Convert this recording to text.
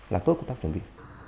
làm tốt công tác chuẩn bị